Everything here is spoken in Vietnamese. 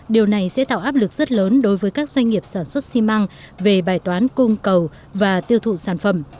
điều này sẽ tạo áp lực rất lớn đối với các doanh nghiệp sản xuất xi măng về bài toán cung cầu và tiêu thụ sản phẩm